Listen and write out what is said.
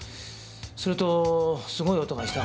するとすごい音がしたはずだ。